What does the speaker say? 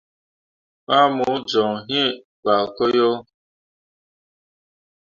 Ma mu joŋ iŋ gbaako yo.